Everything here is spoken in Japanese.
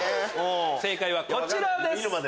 正解はこちらです。